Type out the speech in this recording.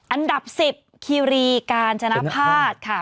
อันดับ๑๐คีรีกาญจนภาษณ์ค่ะ